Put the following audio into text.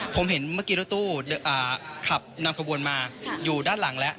ผมเห็นเมื่อกี้รถตู้ขับนำขบวนมาอยู่ด้านหลังแล้ว